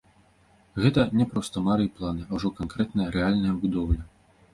Гэта не проста мары і планы, а ўжо канкрэтная, рэальная будоўля.